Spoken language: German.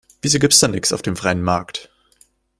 Wieso gibt's da nix auf dem freien Markt?